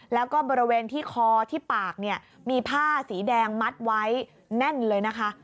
แล้วก็บริเวณที่คอที่ปากเนี่ยมีผ้าสีแดงมัดไว้แน่นเลยนะคะ